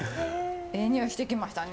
ええ匂いしてきましたね。